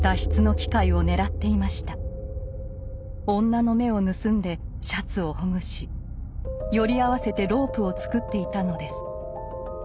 女の目を盗んでシャツをほぐしより合わせてロープを作っていたのです。